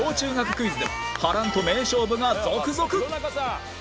クイズでは波乱と名勝負が続々！